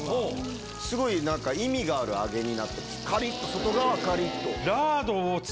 外側カリっと。